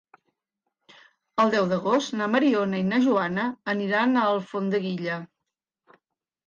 El deu d'agost na Mariona i na Joana aniran a Alfondeguilla.